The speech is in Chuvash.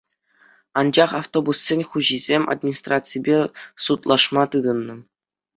Анчах автобуссен хуҫисем администраципе судлашма тытӑннӑ.